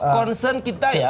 concern kita ya